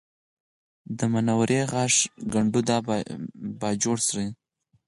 د منورې غاښی کنډو د باجوړ سره